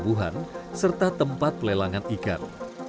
pelabuhan serta tempat pelelangan ikan